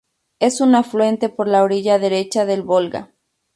Es un afluente por la orilla derecha del Volga.